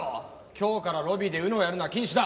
今日からロビーでＵＮＯをやるのは禁止だ！